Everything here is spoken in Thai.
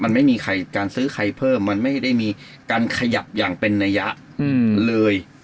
มันไม่มีใครการซื้อใครเพิ่มมันไม่ได้มีการขยับอย่างเป็นนัยยะเลย